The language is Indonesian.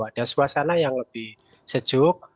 ada suasana yang lebih sejuk